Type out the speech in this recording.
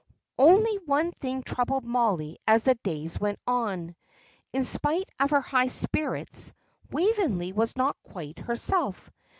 Only one thing troubled Mollie as the days went on. In spite of her high spirits, Waveney was not quite herself.